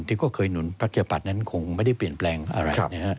ที่ก็เคยหนุนประชาปัตย์นั้นคงไม่ได้เปลี่ยนแปลงอะไร